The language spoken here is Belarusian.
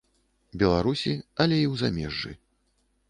Беларусі, але і ў замежжы.